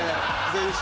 全身。